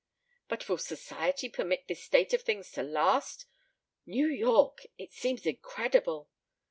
"But will Society permit this state of things to last? New York! It seems incredible."